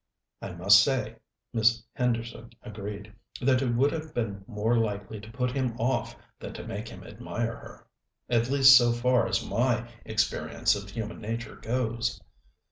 "I must say," Miss Henderson agreed, "that it would have been more likely to put him off than to make him admire her. At least, so far as my experience of human nature goes."